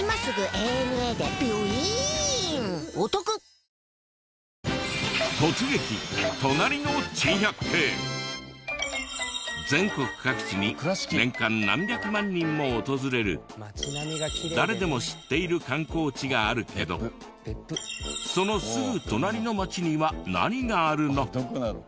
便質改善でラクに出す全国各地に年間何百万人も訪れる誰でも知っている観光地があるけどそのすぐ隣の町には何があるの？